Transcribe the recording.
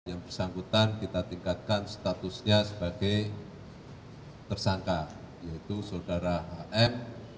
yang bersangkutan kita tingkatkan statusnya sebagai tersangka yaitu saudara hm